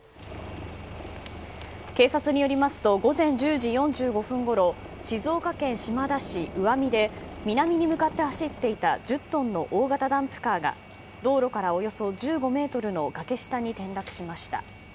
警察によりますと午前１０時４５分ごろ静岡県島田市鵜綱で南に向かって走っていた１０トンの大型ダンプカーが道路からおよそ１５ｍの崖下に転落しました。